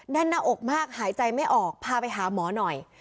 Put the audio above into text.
นั่นฆอกมากหายใจไม่ออกพาไปหาหมอน่อย